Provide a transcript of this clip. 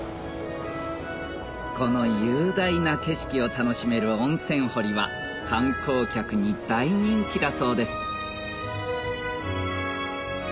この雄大な景色を楽しめる温泉掘りは観光客に大人気だそうです